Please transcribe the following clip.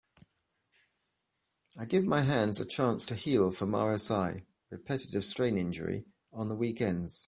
I give my hands a chance to heal from RSI (Repetitive Strain Injury) on the weekends.